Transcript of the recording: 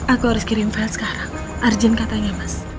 aku harus kirim file sekarang urgent katanya mas